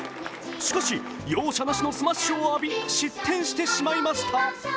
しかし容赦なしのスマッシュを浴び失点してしまいました。